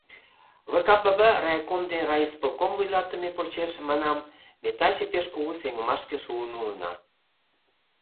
ВКПб райком ден райисполком вуйлатыме почеш, манам, ме таче пеш кугу сеҥымашке шуын улына.